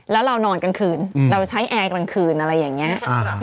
แล้วเรานอนกลางคืนเราใช้แอร์กลางคืนอะไรอย่างนี้